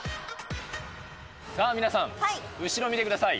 さあ皆さん、後ろを見てください。